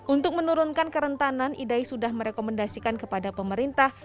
untuk menurunkan kerentanan idai sudah merekomendasikan kepada pemerintah